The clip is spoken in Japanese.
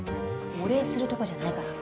お礼するとこじゃないから。